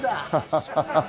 ハハハハ。